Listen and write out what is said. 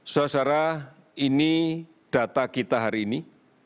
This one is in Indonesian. sudah sejarah ini data kita hari ini